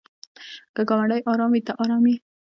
که ګاونډی ارام وي ته ارام یې.